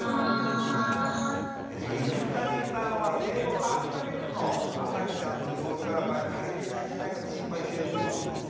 泉谷さんは生後３か月のあさひちゃんの様子から足りてないんじゃないかと心配しているということで。